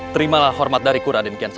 terimalah hormat dari ku